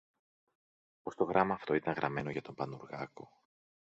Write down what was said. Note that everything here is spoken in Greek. πως το γράμμα αυτό ήταν γραμμένο για τον Πανουργάκο.